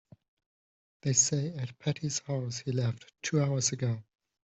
They say at Patti's house he left two hours ago.